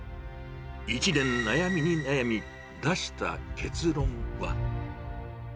１年悩みに悩み、出した結論は。